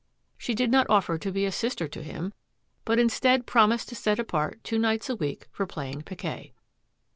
She did not offer to be a sister to him, but instead promised to set apart two nights a week for playing piquet.